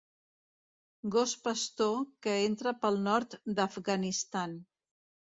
Gos pastor que entra pel nord d'Afganistan.